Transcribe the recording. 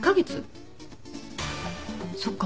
そっか。